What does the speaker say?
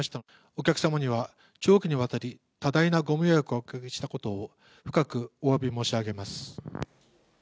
お客様には長期にわたり多大なご迷惑をおかけしたことを、深くおわび申し上げます。